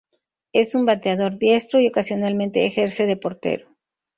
Es un bateador diestro, y ocasionalmente ejerce de portero.